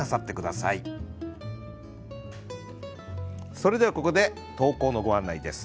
それではここで投稿のご案内です。